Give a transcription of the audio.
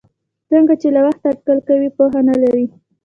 څوک چې له وخته اټکل کوي پوهه نه لري.